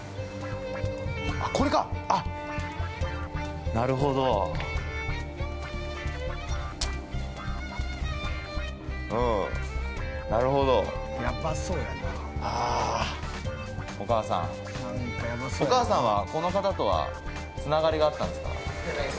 これかあっなるほどうんなるほどああーお母さんお母さんはこの方とはつながりがあったんですか？